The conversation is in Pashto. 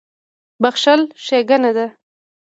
• بښل ښېګڼه ده.